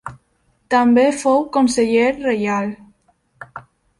També fou conseller reial.